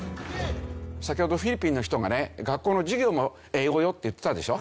先ほどフィリピンの人がね「学校の授業も英語よ」って言ってたでしょ。